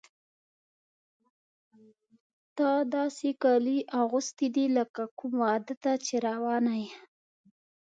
تا داسې کالي اغوستي دي لکه کوم واده ته چې روانه یې.